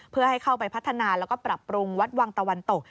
เพื่อให้เข้าไปพัฒนาแล้วก็ปรับปรุงวัดวังตะวันตก